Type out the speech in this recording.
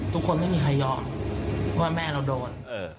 ทุกคนไม่มีใครยอมเพราะว่าแม่เราโดน